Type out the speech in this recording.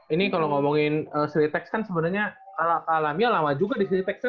ini kalau ngomongin siretex kan sebenarnya alat alamnya lama juga di siretex kan